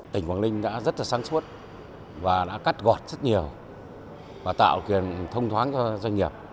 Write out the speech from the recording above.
tỉnh quảng ninh đã rất là sáng suốt và đã cắt gọt rất nhiều và tạo quyền thông thoáng cho doanh nghiệp